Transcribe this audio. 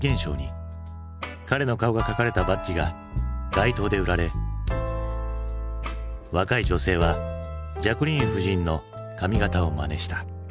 彼の顔が描かれたバッジが街頭で売られ若い女性はジャクリーン夫人の髪形をまねした。